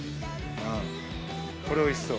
これおいしそう。